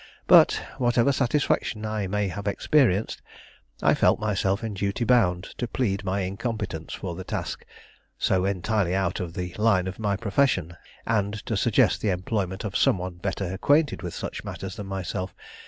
But, whatever satisfaction I may have experienced, I felt myself in duty bound to plead my incompetence for a task so entirely out of the line of my profession, and to suggest the employment of some one better acquainted with such matters than myself.